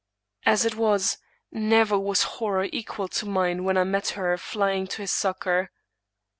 As it was, never was horror equal to mine when I met her flying to his succor.